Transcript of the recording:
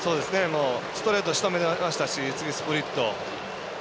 ストレートしとめられましたし次スプリット。